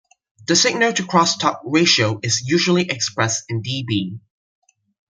The signal-to-crosstalk ratio is usually expressed in dB.